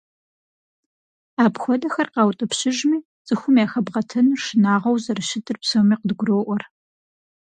Апхуэдэхэр къаутӏыпщыжми, цӀыхум яхэбгъэтыныр шынагъуэу зэрыщытыр псоми къыдгуроӏуэр.